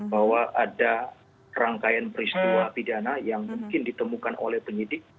bahwa ada rangkaian peristiwa pidana yang mungkin ditemukan oleh penyidik